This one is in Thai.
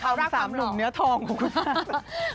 เคลียดเค้าเป็นสามหนุ่มเนื้อทองของคุณฮะ